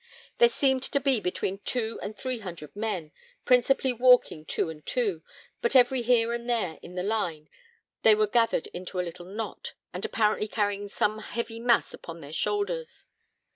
There seemed to be between two and three hundred men, principally walking two and two; but every here and there in the line, they were gathered into a little knot, and apparently carrying some heavy mass upon their shoulders.